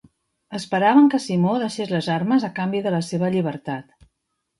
Esperaven que Simó deixés les armes a canvi de la seva llibertat.